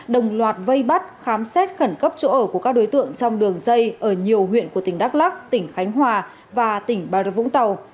đi bắt khám xét khẩn cấp chỗ ở của các đối tượng trong đường dây ở nhiều huyện của tỉnh đắk lắc tỉnh khánh hòa và tỉnh bà rất vũng tàu